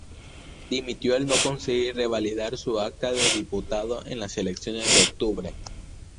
Dimitió al no conseguir revalidar su acta de diputado en las elecciones de octubre.